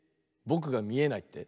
ぼくがみえないって？